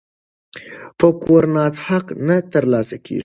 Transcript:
په کور ناست حق نه ترلاسه کیږي.